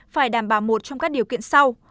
phải đảm bảo một trong các điều kiện sau